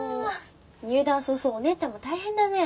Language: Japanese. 入団早々お姉ちゃんも大変だね。